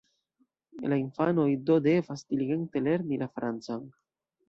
La infanoj do devas diligente lerni la francan.